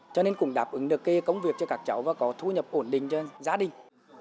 cho nên cũng đáp ứng được công việc cho các cháu và có thu nhập ổn định cho gia đình